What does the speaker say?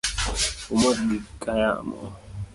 Umdhogi ka iyamo